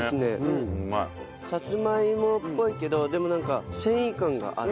サツマイモっぽいけどでもなんか繊維感がある。